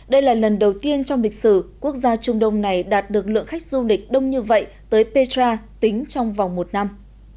đây là lần đầu tiên trong lịch sử quốc gia trung đông này đạt được lượng khách du lịch đông như vậy tới petra tính trong vòng một năm